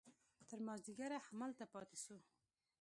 تر مازديګره هملته پاته سو.